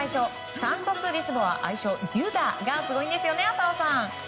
サントスリスボアは愛称デュダがすごいんですよね浅尾さん。